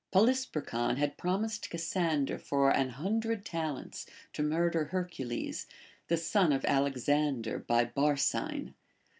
Polysperchon had prom ised Cassander for an hundred talents to murder Her cules, the son of Alexander by Barsine.